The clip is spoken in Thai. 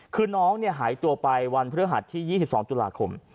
คือน้องหายตัวไปวันพฤหัสที่๒๒ตุลาคม